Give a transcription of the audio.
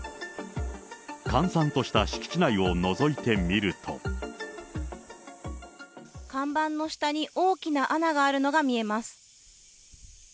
閑散とした敷地内をのぞいてみる看板の下に大きな穴があるのが見えます。